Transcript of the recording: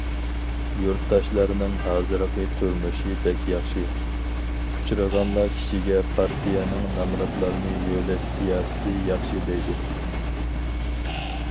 يۇرتداشلارنىڭ ھازىرقى تۇرمۇشى بەك ياخشى، ئۇچرىغانلا كىشىگە پارتىيەنىڭ نامراتلارنى يۆلەش سىياسىتى ياخشى دەيدۇ.